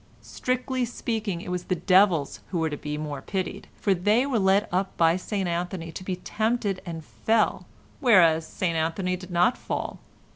Strictly speaking, it was the devils who were the more to be pitied, for they were led up by St Anthony to be tempted and fell, whereas St Anthony did not fall.